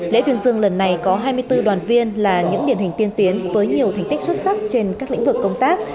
lễ tuyên dương lần này có hai mươi bốn đoàn viên là những điển hình tiên tiến với nhiều thành tích xuất sắc trên các lĩnh vực công tác